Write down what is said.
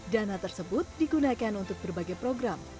dana tersebut digunakan untuk berbagai program